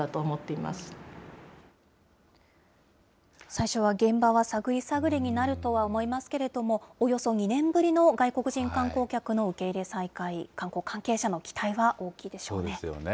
最初は、現場はさぐりさぐりになるとは思いますけれども、およそ２年ぶりの外国人観光客の受け入れ再開、観光関係者の期待が大きいでしょそうですよね。